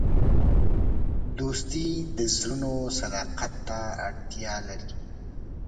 دوستي د زړونو صداقت ته اړتیا لري.